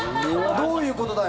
どういうことだよ！